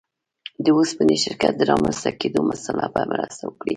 د اوسپنې شرکت د رامنځته کېدو مسأله به مرسته وکړي.